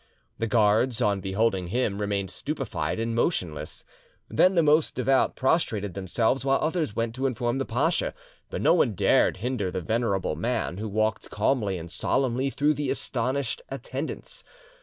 The guards on beholding him remained stupefied and motionless, then the most devout prostrated themselves, while others went to inform the pacha; but no one dared hinder the venerable man, who walked calmly and solemnly through the astonished attendants.